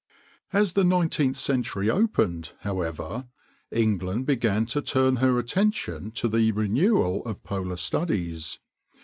As the nineteenth century opened, however, England began to turn her attention to the renewal of polar studies.